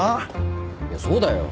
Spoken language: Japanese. いやそうだよ。